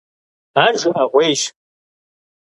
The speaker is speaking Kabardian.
Ар жыӀэгъуейщ.